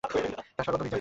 তাঁহার সর্বাঙ্গ ভিজা।